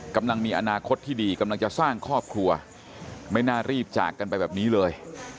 กำลังมีอนาคตที่ดีกำลังจะสร้างครอบครัวไม่น่ารีบจากกันไปแบบนี้เลย